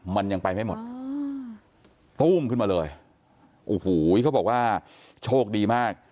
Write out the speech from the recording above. มันยังไปไม่หมดตู้มขึ้นมาเลยโอ้โหเขาบอกว่าโชคดีมาก